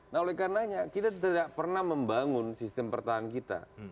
nah oleh karenanya kita tidak pernah membangun sistem pertahanan kita